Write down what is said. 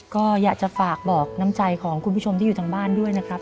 ก็อยากจะฝากบอกน้ำใจของคุณผู้ชมที่อยู่ทางบ้านด้วยนะครับ